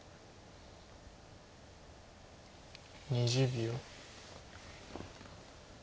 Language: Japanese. ２０秒。